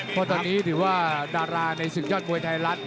หรือว่าดาราในสิ่งยอดมวยไทยรัฐ